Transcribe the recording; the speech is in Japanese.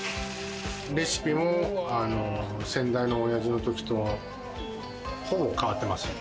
レシピも先代のおやじの時とほぼ変わってません。